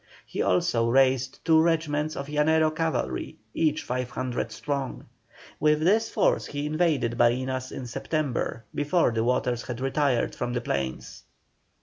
He also raised two regiments of Llanero cavalry, each 500 strong. With this force he invaded Barinas in September, before the waters had retired from the plains.